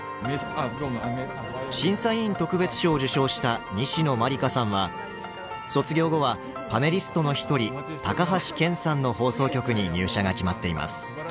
審査委員特別賞を受賞した西野真李花さんは卒業後はパネリストの一人高橋賢さんの放送局に入社が決まっています。